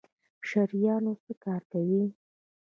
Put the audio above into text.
شریانونه څه کار کوي؟